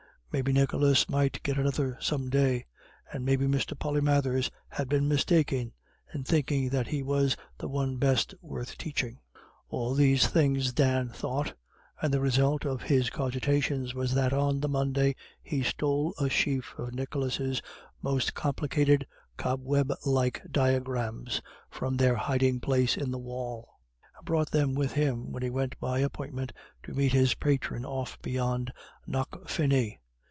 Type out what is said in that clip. Maybe Nicholas might get another some day. And maybe Mr. Polymathers had been mistaken in thinking that he was the one best worth teaching. All these things Dan thought, and the result of his cogitations was that on the Monday he stole a sheaf of Nicholas's most complicated cobweb like diagrams from their hiding place in the wall, and brought them with him when he went by appointment to meet his patron off beyond Knockfinny.